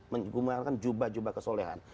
menggunakan jubah jubah kesolehan